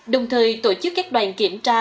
đồng thời tổ chức các đoàn kiểm tra